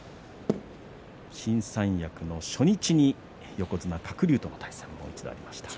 新三役の初日に横綱鶴竜との対戦もありました。